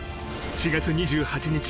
４月２８日